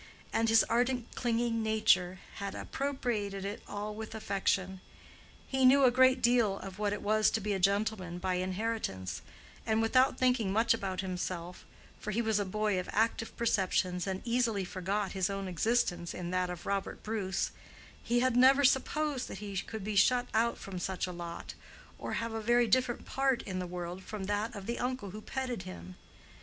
And his ardent clinging nature had appropriated it all with affection. He knew a great deal of what it was to be a gentleman by inheritance, and without thinking much about himself—for he was a boy of active perceptions and easily forgot his own existence in that of Robert Bruce—he had never supposed that he could be shut out from such a lot, or have a very different part in the world from that of the uncle who petted him.